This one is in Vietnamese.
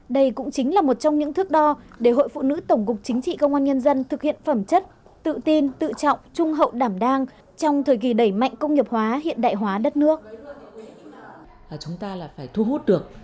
đây cũng chính là một trong những thước đo để hội phụ nữ tổng cục chính trị công an nhân dân thực hiện phẩm chất tự tin tự trọng trung hậu đảm đang trong thời kỳ đẩy mạnh công nghiệp hóa hiện đại hóa đất nước